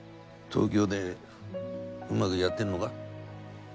東京でうまくやってるのか？